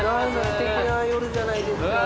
すてきな夜じゃないですか。